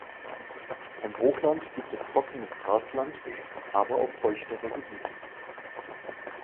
Im Hochland gibt es trockenes Grasland, aber auch feuchtere Gebiete.